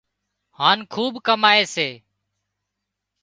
هانَ خوٻ ڪمائي سي